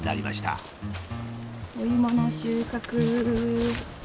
お芋の収穫！